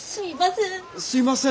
すみません。